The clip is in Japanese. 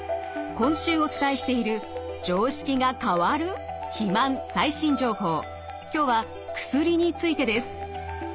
今週お伝えしている今日は薬についてです。